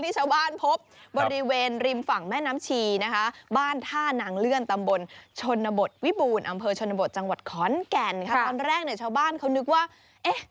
ตัวแลนด์หรือว่าตัวตะกวด